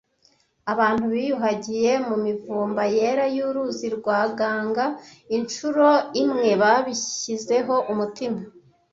Abantu biyuhagiye mu mivumba yera y’uruzi rwa Ganga incuro imwe babishyizeho umutima,